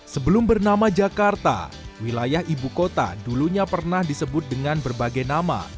sebelum bernama jakarta wilayah ibu kota dulunya pernah disebut dengan berbagai nama